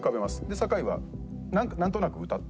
酒井はなんとなく歌って。